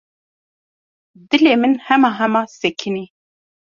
Dilê min hema hema sekinî.